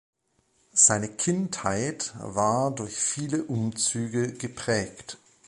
Seine Kindheit war durch viele Umzüge geprägt.